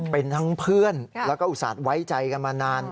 เป็นทั้งเพื่อนแล้วก็อุตส่าห์ไว้ใจกันมานาน